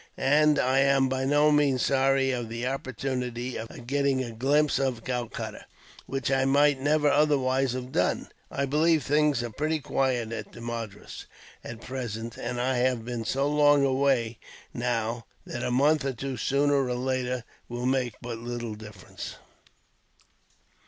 "And I am by no means sorry of the opportunity of getting a glimpse of Calcutta, which I might never otherwise have done. I believe things are pretty quiet at Madras, at present; and I have been so long away, now, that a month or two sooner or later will make but little difference."